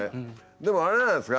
でもあれじゃないですか。